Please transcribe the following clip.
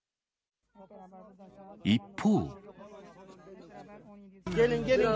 一方。